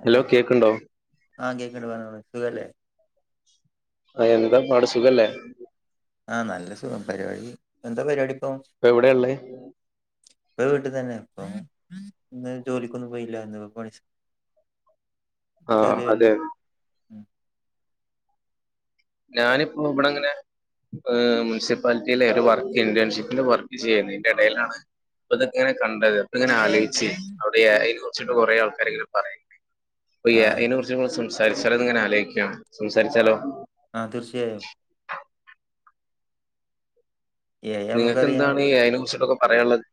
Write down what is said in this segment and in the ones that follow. Hello ആ കേക്കുണ്ട് പറഞ്ഞോളി സുഖല്ലേ ആ എന്താ പാട് സുഖല്ലേ ആ നല്ല സുഖം പരിപാടി എന്താ പരിപാടി ഇപ്പം ഇപ്പൊ എവിടാ ഉള്ളേ ഇപ്പൊ വീട്ടിൽ തന്നെയാ ഇപ്പൊ ഇന്ന് ജോലിക്കൊന്നും പോയില്ലന്ന് ഇന്ന് പ ആ അതെ അതെ ഉം ഞാനിപ്പോ ഇവിടെ അങ്ങനെ [unintelligible] മുനിസിപ്പാലിറ്റിയിലെ ഒരു വർക്ക് ഇന്റേൺഷിപ്പിന്റെ വർക്ക് ചെയ്യുന്നു ഇതിന്റെ ഇടയിലാണ് അപ്പൊ അതക്കെ ഇങ്ങനെ കണ്ടത് അപ്പൊ ഇങ്ങനെ ആലോചിച്ച് അവിടെ അതിനെ കുറിച്ചിട്ട് കൊറെ ആൾക്കാരെ പറയണ്ട് അപ്പം എ ഐ ആഹ് നെ കുറിച്ച് നമ്മൾ സംസാരിച്ചാലോന്ന് ഇങ്ങനെ ആലോചിക്കുകയാണ് സംസാരിച്ചാലോ ആ തീർച്ചയായും എ ഐ നമുക്കറിയാം നിങ്ങൾക്കെന്താണ് [unintelligible] കുറിച്ചിട്ടൊക്കെ പറയാനുള്ളത്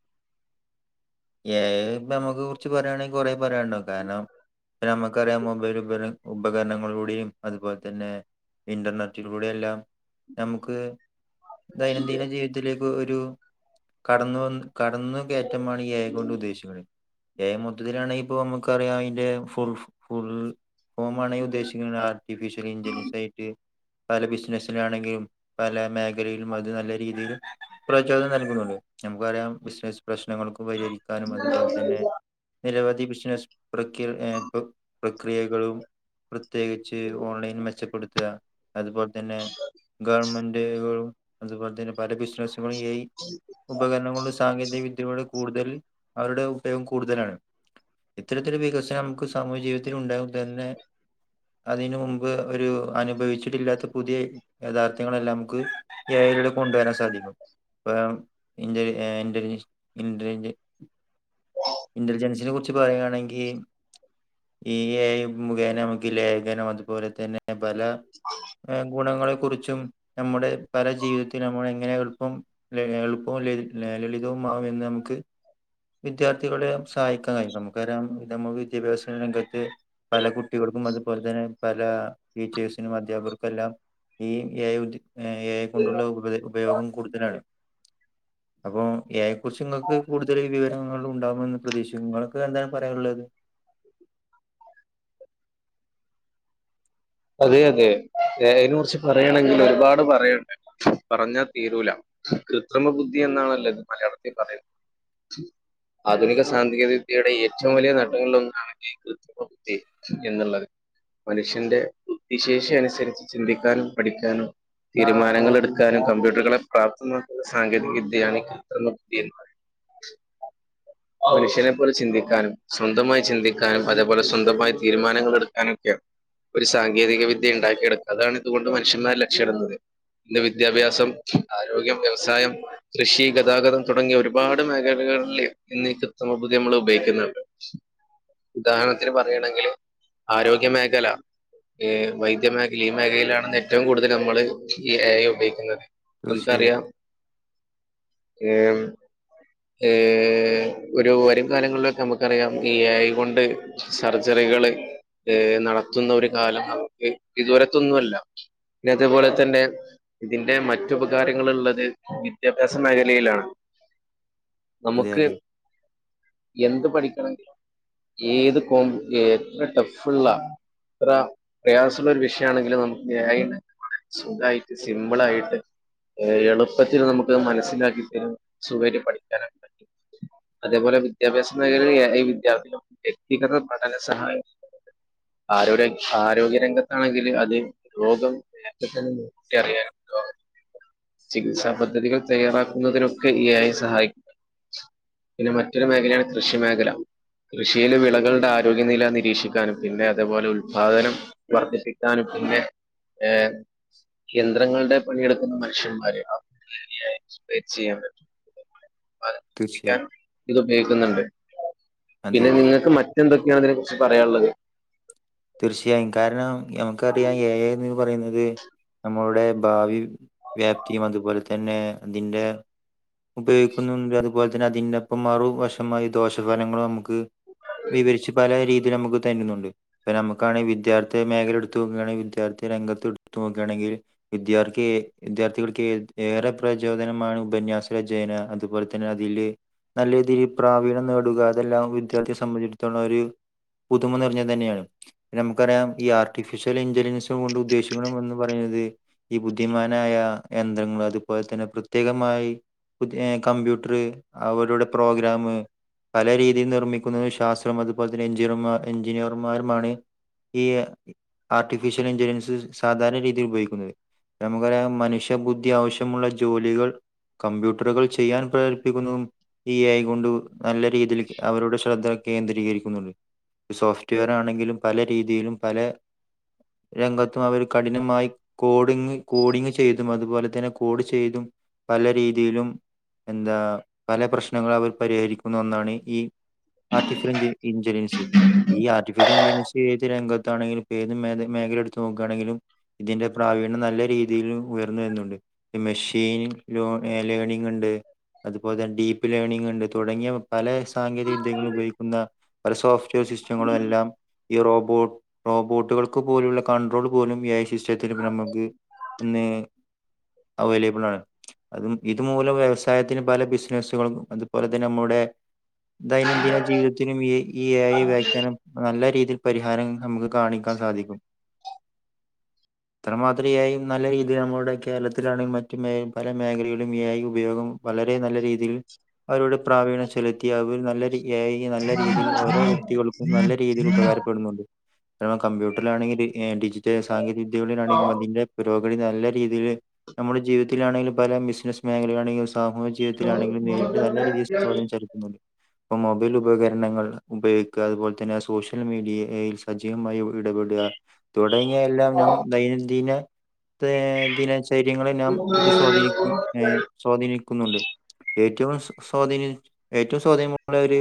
കുച്ച് പറയാണെങ്കിൽ കുറെ പറയാനുണ്ടാവും കാരണം നമുക്കറിയാം മൊബൈൽ ഉപ ഉപകരണങ്ങളിലൂടെയും അതുപോലെ തന്നെ ഇന്റർനെറ്റിലൂടെ എല്ലാം നമുക്ക് ദൈനംദിന ജീവിതത്തിലേക്ക് ഒരു കടന്നു വന്ന് കടന്നുകയറ്റമാണ് [unintelligible] അതുകൊണ്ട് [unintelligible] ഏ മൊത്തത്തിലാണെങ്കി ഇപ്പൊ നമുക്കറിയാം അതിന്റെ ഫു ഫുൾ ഹോമാണോ ഉദ്ദേശിക്കുന്നത് ആർട്ടിഫിഷ്യൽ ഇന്റലിജൻസ് ആയിട്ട് പല ബിസിനസിലാണെങ്കിലും പല മേഖലയിലും അത് നല്ല രീതിയിൽ നമുക്കറിയാം ബിസിനസ് പ്രശ്നങ്ങൾക്ക് പരിഹരിക്കാനും അതുപോലെ തന്നെ നിരവധി ബിസിനസ് പ്രക് പ്ര പ്രക്രിയകളും പ്രത്യേകിച്ച് ഓൺലൈൻ മെച്ചപ്പെടുത്തുക അതുപോലെതന്നെ ഗവൺമെന്റുകളും അതുപോലെതന്നെ പല ബിസിനസ് എ ഐ ഉപകരണങ്ങളുടെ സാങ്കേതിക വിദ്യയുടെ കൂടുതൽ അവരുടെ ഉപയോഗം കൂടുതലാണ് ഇത്തരത്തിലൊരു വികസനം നമുക്ക് സാമൂഹ ജീവിതത്തിൽ ഉണ്ടാകുന്ന തന്നെ അതിന് മുമ്പ് ഒരു അനുഭവിച്ചിട്ടില്ലാത്ത പുതിയ യഥാർത്ഥങ്ങളെല്ലാം നമുക്ക് എ എ ഐ കൊണ്ടുവരാൻ സാധിക്കും ഇപ്പോ ഇന്റലിജൻ ഇന്റലിജിസിനെ കൂറി പറയയാണെങ്കിൽ ഈ എ ഐ മുഖേന നമുക്ക് ഇല്ലേ ലേഖനം അതുപോലെ തന്നെ അങ്ങനെ പല ഗുണങ്ങളും കുറിച്ചും നമ്മുടെ പല ജീവിതത്തിൽ നമ്മൾ എങ്ങനെ എളുപ്പം എളുപ്പവും ലളിതവും [unintelligible] നമുക്ക് വിദ്യാർത്ഥികളെ സഹായിക്കാൻ കഴിയും നമുക്കാറിയാം നമ്മുക്ക് വിദ്യാഭ്യാസ രംഗത്ത് പല കുട്ടികൾക്കും അതുപോലെ തന്നെ പല ടീച്ചേഴ്സിനും അധ്യാപകർക്കും എല്ലാം ഈ ഏ എഐ കൊണ്ടുള്ള ഉപ ഉപയോഗം കൂടുതലാണ് [inaudible] അപ്പൊ എയെ കുറിച്ച് ഇങ്ങൾക്ക് കൂടുതൽ വിവര ഉണ്ടാകുമന്ന് പ്രതീക്ഷിക്ക നിങ്ങൾക്ക് എന്താണ് പറയാനുള്ളത് [inaudible] അതെ അതെ എഐനെകുറിച്ച് പറയണാങ്കിൽ ഒരുപാട് പറയാനുണ്ട് പറഞ്ഞാ തീരൂല കൃത്രിമ ബുദ്ധി എന്നാണല്ലോ ഇത് മലയാളത്തിൽ പറയുന്നേ ആധുനിക സാങ്കേതി വിദ്യയുടെ ഏറ്റവും വലിയ നേട്ടങ്ങളിൽ ഒന്നാണ് കൃത്രിമ ബുദ്ധി എന്നുള്ളത് മനുഷ്യന്റെ ബുദ്ധിശേഷി അനുസരിച്ച് ചിന്തിക്കാനും പഠിക്കാനും തീരുമാനങ്ങൾ എടുക്കാനും കമ്പ്യൂട്ടറുകളെ പ്രാപ്തമാക്കുന്ന സാങ്കേതിക വിദ്യയാണ് ഇ [inaudible] മനുഷ്യനെ പോലെ ചിന്തിക്കാനും സ്വന്തമായി ചിന്തിക്കാനും അതേപോലെ സ്വന്തമായി തീരുമാനങ്ങൾ എടുക്കാനും ഒരു സാങ്കേതിക വിദ്യ ഉണ്ടാക്കിയെടുക്കുക അതാണ് ഇതുകൊണ്ട് മനുഷ്യന്മാര് ലക്ഷ്യമിടുന്നത് ഇതില് വിദ്യാഭ്യാസം ആരോഗ്യം വ്യവസായം കൃഷി ഗതാഗതം തുടങ്ങിയ ഒരുപാട് മേഖലക ർലി എന്നീ കൃതിമ ബുദ്ധി നമ്മൾ ഉപയോഗിക്കുന്നുണ്ട് ഉദാഹരണത്തിന് പറയയാണെങ്കിൽ ആരോഗ്യ മേഖല ഏ വൈദ്യ മേഖലിം ഈ മേഖലയിലാണിന്ന് ഏറ്റവും കൂടുതൽ നമ്മള് ഈ ഏഐ ഉപയോഗിക്കുന്നത് തീർച്ചയായും നമുക്കറിയാം ഏ ഏ ഒരു വരും കാലങ്ങളിലൊക്കെ നമുക്കറിയാം ഈ എ യികൊണ്ട് സർജറികള് ഏ നടത്തുന്ന ഒരു കാലം നമക്ക് ഇതുവരത്തൊന്നുല്ല പിന്നെ അതുപോലെ തന്നെ ഇതിന്റെ മറ്റുപകാരങ്ങൾ ഉള്ളത് വിദ്യാഭ്യാസ മേഖലയിലാണ് അതെ നമുക്ക് അതെ എന്ത് പഠിക്ക ഏത് കോ എത്ര ടഫുള്ളാ എത്ര പ്രയാസള്ള ഒരു വിഷയമാണെങ്കിലും നമുക്ക് എ ഐ സുഖായിട്ട് സിംമ്പ്ളായിട്ട് എളുപ്പത്തിൽ നമുക്ക് മനസ്സിലാക്കി തരും സുഖായിട്ട് പഠിക്കാനൊക്കെ പറ്റും അതേപോലെ വിദ്യാഭ്യാസ മേഖലയിൽ എ ഐ കിട്ട്യാ വ്യക്തിഗത പഠന സഹായം ആരോ രം ആരോഗ്യരംഗത്താണെങ്കിൽ അത് രോഗം തന്നെ [unintelligible] ചികിത്സാ പദ്ധതികള് തയ്യാറാക്കുന്നതിനൊക്കെ ഇ എ ഐ സഹായിക്കും പിന്നെ മറ്റൊരു മേഖലയാണ് കൃഷി മേഖല കൃഷിയിൽ വിളകളുടെ ആരോഗ്യനില നിരീക്ഷിക്കാനും പിന്നെ അതേപോലെ ഉൽ ൽപാതനം വർദ്ധിപ്പിക്കാനും പിന്നെ ഏ യന്ത്രങ്ങളുടെ പണിയെടുക്കുന്ന മനുഷ്യന്മാര് അവരിൽ എ ഐ ചെയ്യാൻ പറ്റും തീർച്ചയായും [unintelligible] ഇത് ഉപയോഗിക്കുന്നുണ്ട് അതെ പിന്നെ അതെ നിങ്ങൾക്ക് മറ്റെന്തൊക്കെയാണ് അതിനെ കുറിച്ച് പറയാനുള്ളത് തീർച്ചയായും കാരണം നമുക്കറിയാം എ ഐ ന്ന് പറയുന്നത് നമ്മളുടെ ഭാവി വ്യാപ്തിയും അതുപോലെ തന്നെ അതിന്റെ ഉപയോഗിക്കുന്നുണ്ട് അതുപോലെ തന്നെ അതിന്റെപ്പം മറു വശമായി ദോഷഫലങ്ങളും നമുക്ക് വിവരിച്ച് പല രീതിയിലും നമുക്ക് തരുന്നുണ്ട് ഇപ്പൊ നമുക്കാണെങ്കി വിദ്യർത്ഥി മേഖല എടുത്ത് നോക്കയാണെങ്കി വിദ്യാർത്ഥി രംഗത്ത് എടുത്ത് നോക്കുകയാണെങ്കിൽ വിദ്യാർത്ഥി വിദ്യാർത്ഥികൾക്ക്ഏ ഏറെ പ്രചോദനമാണ് ഉപന്യാസ രചയന അതുപോലെ തന്നെ അതില് നല്ല രീതിയിൽ പ്രാവീണ്ണം നേടുക അതെല്ലാം വിദ്യാർത്ഥിയെ സംബന്ധിച്ചടത്തോള ഒരു പുതുമ നിറഞ്ഞത് തന്നെയാണ് നമുക്കറിയാം ഈ ആർട്ടിഫിഷ്യൽ ഇന്റലിജൻസ കൊണ്ട് ഉദ്ദേശിക്കണം എന്ന് പറയുന്നത് ഈ ബുദ്ധിമാനായ യന്ത്രങ്ങൾ അതുപോലെ തന്നെ പ്രത്യേകമായി പുതിയ കമ്പ്യൂട്ടർ അവരുടെ പ്രോഗ്രാം പല രീതിയിൽ നിർമ്മിക്കുന്നത് ശാസ്ത്രം അതുപോലെ തന്നെ എചിർമാർ എഞ്ചിനീയർമാരുമാണ് ഈ ആർട്ടിഫിഷ്യൽ ഇന്റലിജൻസ് സാധാരണ രീതിൽ ഉപയോഗിക്കുന്നത് നമുക്കറിയാം മനുഷ്യബുദ്ധി ആവശ്യമുള്ള ജോലികൾ കമ്പ്യൂട്ടറുകൾ ചെയ്യാൻ പ്രേരിപ്പിക്കുന്നതും ഈ എ ഐ കൊണ്ടു നല്ല രീതിയിൽ അവരുടെ ശ്രദ്ധ കേന്ദ്രീകരിക്കുന്നുണ്ട് സോഫ്റ്റ് വെയർ ആണെങ്കിലും പല രീതിയിലും പല രംഗത്തും അവര് കഠിനമായി കോഡിങ്ങ് കോഡിങ് ചെയ്തും അതുപോലെ തന്നെ കോഡ് ചെയ്തും പല രീതിയിലും എന്താ പല പ്രശ്നങ്ങളും അവർ പരിഹരിക്കുന്ന ഒന്നാണ് ഈ ആർട്ടിഫിഷ്യൽ ഇഞ്ച ഇഞ്ചലിൻസ് ഈ ആർട്ടിഫിഷൽ ഇഞ്ചനിസ് ഏത് രംഗത്താണെങ്കിലും ഇപ്പേത് മേത മേഖല എടുത്ത് നോക്കാണെങ്കിലും ഇതിന്റെ പ്രാവീണ്യം നല്ല രീ തിയിലും ഉയർന്ന് വരുന്നുണ്ട് മെഷ് [unintelligible] ലോ ലേണിംങ്ങ്ണ്ട് അതുപോലെ തന്നെ ഡീപ്പ് ലേണിങ്ങ്ണ്ട് തുടങ്ങിയ പലെ സ് സാങ്കേതിക വിദ്യകളുപയോഗിക്കുന്ന പല സോഫ്റ്റ് വെയർ സിസ്റ്റങ്ങളും എല്ലാം ഈ റോബോ റോബോട്ടുകൾക്ക് പോലുള്ള കൺണ്ട്രോൾ പോലും ഏ [unintelligible] ഞമ്മക്ക് എന്നേ അവൈലബിളാണ് അതും ഇതുമൂലം വ്യവസ് ത്തായത്തിന് പല ബിസിനസ്സുകളും അതുപോലെ തന്നെ നമ്മുടെ ദൈനംദിന ജീവിതത്തിനും ഈ എ ഐ വ്യാഖ്യാനം നല്ല രീതിയിൽ പരിഹാരം നമ്മക്ക് കാണിക്കാൻ സാധിക്കും. ഇത്രമാത്രം എ ഐ നല്ല രീതിയിൽ നമ്മളുടെ കേരളത്തിലാണെ മറ്റു മേ പല മേഖലകളിലും എ ഐ ഉപയോഗം വളരെ നല്ല രീതിയിൽ അവരോട് പ്രാവീണ്യം ചെലുത്തി അവർ നല്ല എ ഐ നല്ല രീതിയിൽ ഓരോ വ്യക്തികൾക്കും നല്ല രീതിയിൽ ഉപകാരം [unintelligible] കമ്പ്യൂട്ടറിലാണെങ്കില് ഏ ഡിജിറ്റൽ സാങ്കേതിക വിദ്യകളിലാണെങ്കിലും അതിന്റെ പുരോ [unintelligible] നല്ല രീതിയില് നമ്മുടെ ജീവിതത്തിലാണെലും പല ബിസിനസ് മേഖലകളിലാണെങ്കിൽ സാമൂഹ്യ ജീവിത്തിലാണെങ്കിലും നേരിട്ട് നല്ല രീതിയിൽ സ്വാധീനം ചെലത്തുന്നുണ്ട്. ഇപ്പം മൊബൈൽ ഉപകരണങ്ങൾ ഉപയോഗിക്കുക അതുപോലെ തന്നെ സോഷ്യൽ മീ ഡിയയിൽ സജീവമായി വി ഇടപെടുക തുടങ്ങിയ എല്ലാം നമ് ദൈനംദിന ത്തെ ദിനചര്യങ്ങൾ എല്ലാം ഇത് സ്വാധീനിക്കും ഏ സ്വാധീനി ക്കുന്നുണ്ട് ഏറ്റവും സ്വ സ്വാധീനം ഏറ്റവും സ്വാധീനമുള്ള ഒര്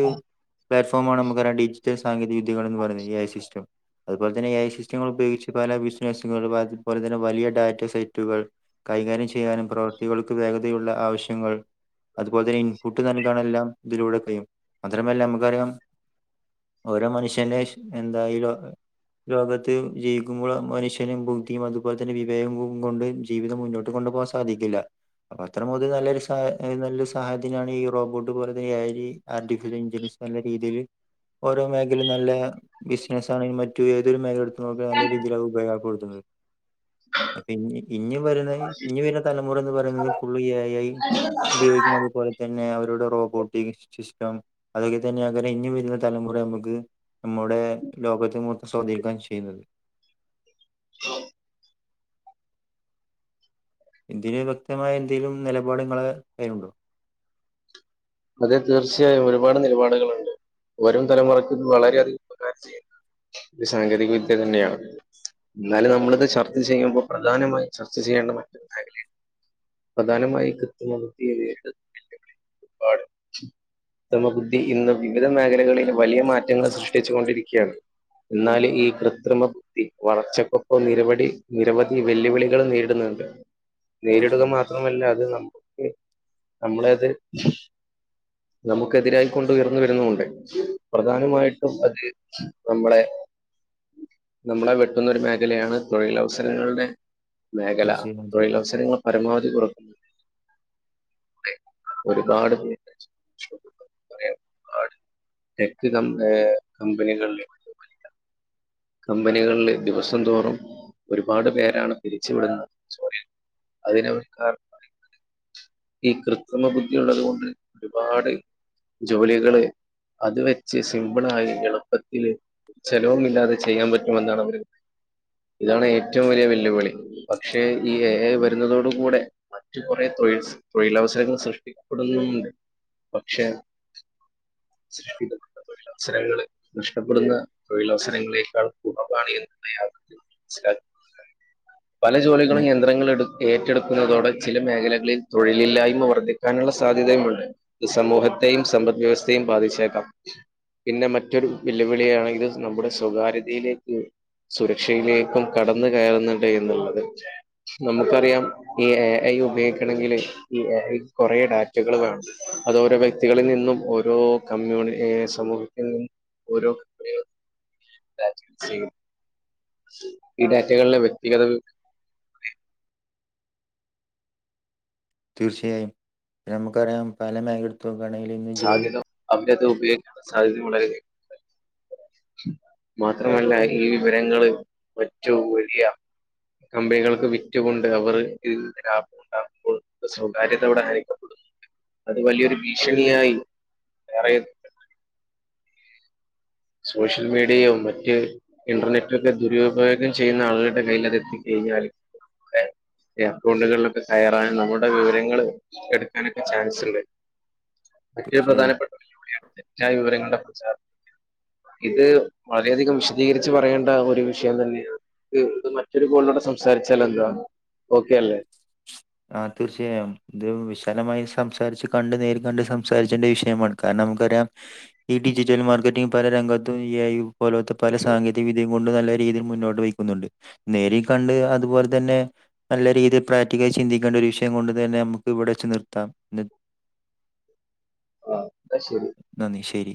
പ്ലാറ്റ്ഫോമാണ് നമ്മക്കറിയ ഡിജിറ്റൽ സാങ്കേതിക വിദ്യകളെന്ന് പറയ്ന്ന എ ഐ സിസ്റ്റം. അതുപോലെ തന്നെ എഐ സിസ്റ്റങ്ങൾ ഉപയോഗിച്ച് പല ബിസിനസ്സുകൾ [unintelligible] അതുപോൽതന്നെ വലിയ ഡാറ്റ സെറ്റുകൾ കൈകാര്യം ചെയ്യാനും പ്രവർത്തികൾക്ക് വേഗതയുള്ള ആവശ്യങ്ങൾ അതുപോലെ തന്നെ ഇൻപുട്ട് നൽകണെല്ലാം ഇതിലൂടെ കയ്യും മാത്രമല്ല നമുക്കറിയാം ഓരോ മനുഷ്യന്റെ ശ് എന്താ [unintelligible] ലോകത്ത് ജീവിക്കുമ്പോൾ മനുഷ്യന് ബുദ്ധിയും അതുപോലെ തന്നെ വിവേകവും കൊണ്ട് ജീവിതം മുന്നോട്ട് കൊണ് ണ്ട് പോവാൻ സാധിക്കൂല. അപ്പ അത്ര [unintelligible] നല്ലൊരു സാ ഏ നല്ല സഹായത്തിനാണ് ഈ റോബോട്ട് പോലത്തെ എ ഐ ആർട്ടിഫിഷ്യൽ ഇൻന്റലി നല്ല രീതിയില് ഓരോ മേഖലയും നല്ല ബിസിനസ് ആണെങ്കി മറ്റു ഏതൊരു മേഖലെടുത്തു നോക്കിയാലും നല്ല രീതിയിലാണ് അത് ഉപയോഗപ്പെടുത്തുന്നത് അപ്പ ഇഞ്ഞി ഇഞ്ഞും വര്ണ ഇഞ്ഞി വര്ണ തലമുറ എന്ന് പറയുന്നത് ഫുൾ എ ഐ ഉപയോഗിക്കുമ്പം അതുപോലെ തന്നെ അവരുടെ റോബോട്ടിക് സിസ് സ്റ്റം അതുപോലെത്തന്നെ അയ്ക്കാരം ഇഞ്ഞും വരുന്ന തലമുറ നമുക്ക് നമ്മളോ ട് ലോകത്തെ മൊത്തം സ്വാധീനിക്കാൻ ചെയ്യുന്നത് ഇതിന് വ്യക്തമായ എന്തേലും നെലപാട് ഇങ്ങളെ കയ്യിലുണ്ടോ അതെ തീർച്ചയായും ഒരുപാട് നിലപാടുകളുണ്ട് വരും തലമുറയ്ക്ക് ഇത് വളരെയധികം ഉപകാരം ചെയ്യുന്നൊരു സാങ്കേതിക വിദ്യ തന്നെയാണ് എന്നാലും നമ്മളിത് ചർച്ച ചെയ്യുമ്പോ പ്രധാനമായും ചർച്ച ചെയ്യേണ്ട മറ്റൊരു മേഖലയാണ് പ്രധാനമായും [unintelligible] പാട് കൃത്രിമബുദ്ധി ഇന്ന് വിവിധ മേഖലകളിൽ വലിയ മാറ്റങ്ങൾ സൃഷ്ടിച്ചു കൊണ്ടിരിക്കയാണ് എന്നാല് ഈ കൃത്രിമ ബുദ്ധി വളർച്ചക്കൊപ്പം നിരവടി നിരവധി വെല്ലുവിളികള് നേരിടുന്ന അതെ നേരിടുക തീർച്ചയായും മാത്രമല്ല അത് നമ്മക്ക് നമ്മളെയത്- നമുക്കെതിരായി കൊണ്ട് ഉയർന്നു വരുന്നൂണ്ട് പ്രധാനമായിട്ടും അത് നമ്മളെ- നമ്മളെ വെട്ടുന്ന ഒരു മേഖലയാണ്. തൊഴിലവസരങ്ങളുടെ- മേഖല തീർച്ചയായും തീർച്ചയായും തൊഴിലവസരങ്ങൾ പരമാവധി കുറക്കു [inaudible] ഒരുപാട് പേര് [inaudible] ഒരുപാട് ടെക്ക് കമ്പ ഏ കമ്പനികളില കമ്പനികളില് ദിവസം തോറും ഒരുപാട് പേരാണ് പിരിച്ചുവിടുന്ന് [unintelligible] അതിനവ [unintelligible] ഈ കൃത്രിമ ബുദ്ധിയ ഉള്ളത് കൊണ്ട് ഒരുപാട്- ജോലികള് അത് വെച്ച് സിംമ്പിള ആയി എളുപ്പത്തില് ചെലവുമില്ലാതെ ചെയ്യാൻ പറ്റും എന്നാണ് അവര് ഇതാണ് ഏറ്റവും വലിയ വെല്ലുവിളി പക്ഷേ ഈ എ ഐ വരുന്നതോടു കൂടെ മറ്റു കുറെ തൊഴിൽ തൊഴിലവസരങ്ങൾ സൃഷ്ടപ്പെടുന്നുണ്ട് പക്ഷെ- സൃഷ്ടിക്കപ്പെുന്ന തൊഴിലവസരങ്ങള് നഷ്ടപ്പെടുന്ന തൊഴിലവസരങ്ങളിൽ- [unintelligible] പല ജോലികളും യന്ത്രങ്ങൾ എടു ഏറ്റെടുക്കുന്നതോടെ ചില മേഖലകളിൽ തൊഴിലില്ലായ്മ വർദ്ധിക്കാനുള്ള സാധ്യതയുമുണ്ട് സമൂഹത്തി- സമ്പദ് വ്യവസ്ഥയും ബാധിച്ചേക്കാം പിന്നെ മറ്റൊരു വെല്ലുവിളിയണ ഇത് നമ്മുടെ സ്വകാര്യതയിലേക്ക്- സുരക്ഷയിലേക്കും കടന്നു കയറുന്നുണ്ട് എന്നുള്ളത് നമുക്കറിയാം ഈ എ ഐ ഉപയോഗിക്കണെങ്കില് ഈ എ ഐ കൊറേ ഡാറ്റകൾ വേണം അത് ഒരോ വ്യക്തികളിൽ നിന്നും ഓരോ കമ്മ്യൂണി സമൂഹത്തിൽ നിന്നും ഓരോ ക- [inaudible] ഈ ഡാറ്റകളിലെ വ്യക്തിഗത തീർച്ചയായും നമുക്കറിയാം പല മേഖലയെടുത്തും നോക്കയാൽ ഇന്ന് ജോലി ഇത് ഉപയോഗിക്കണ്ട സാഹചര്യം വളരെ- മാത്രമല്ല ഈ വിവരങ്ങൾ ഏറ്റവും വലിയ കമ്പനികൾക്ക് വിറ്റുകൊണ്ട് അവര് ലാഭം ഉണ്ടാകുമ്പോൾ സാകാര്യത അവിടെ ഹനിക്കപ്പെടുന്നു അത് വലിയൊരു ഭീഷണിയായി വേറെ- സോഷ്യൽ മീഡിയോ മറ്റ് ഇന്റർനെറ്റ ഒക്കെ ദുരുപയോഗം ചെയ്യുന്ന ആളുകളുടെ കയ്യിൽ അത് എത്തിക്കുകയും കിട്ടിയാല് ഈ അക്കൗണ്ടുകളിലൊക്കെ കയാറാനൻ നമ്മുടെ വിവരങ്ങള് എടുക്കാനൊക്കെ ചാൻസ് ഉണ്ട് ഏറ്റും തീർച്ചയായും പ്രധാനപ്പെട്ട ഒരു ജോലിയാണ് തെറ്റായ വിവരങ്ങളുടെ പ്രചാരത്തി- ഇത് വളരെയധികം വിശദീകരിച്ച് പറയേണ്ട ഒരു വിഷയം തന്നെയാണ് ഇത് മറ്റൊരു കോളിലൂടെ സംസാരിച്ചാല എന്താണ് ഓക്കെ അല്ലേ ആ തീർച്ചയായും ഇത് വിശാലമായ- സംസാരിച്ച് കണ്ട് നേരി കണ്ട് സംസാരിച്ചേന്റെ വിഷയമാണ് കാരണം നമുക്കറിയാം ഈ ഡിജിറ്റൽ മാർക്കറ്റി പല- ങ്കത്തയും [unintelligible] എ കൈപോലത്തെ പല സാങ്കേതിക വിദ്യ നല്ല രീതിൽ മുന്നോട്ട് വക്കുന്നുണ്ട് നേരി കണ്ട് അതുപോലെ തന്നെ നല്ല രീതിയിൽ പ്രക്ട- ചിന്തിക്കേണ്ട ഒരു വിഷയം കൊണ്ട് തന്നെ നമുക്ക് ഇവിടെ വച്ച് നിർത്താം ആ എന്നാ ശരി നന്ദി ശരി